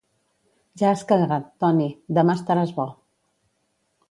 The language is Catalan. Ja has cagat, Toni; demà estaràs bo.